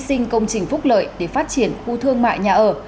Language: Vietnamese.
họ đã hy sinh công trình phúc lợi để phát triển khu thương mại nhà ở